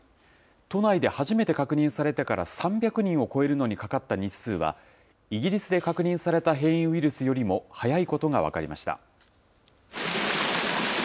都内で初めて確認されてから３００人を超えるのにかかった日数は、イギリスで確認された変異ウイルスよりも早いことが分かりました。